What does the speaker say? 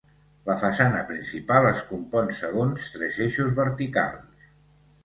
La façana principal es compon segons tres eixos verticals.